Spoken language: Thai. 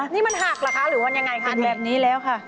นี่มันหักหรือเปล่าครับเป็นแบบนี้แล้วค่ะ